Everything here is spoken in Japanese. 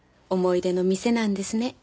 思い出の店なんですね。